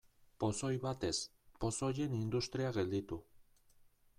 Pozoi bat ez, pozoien industria gelditu.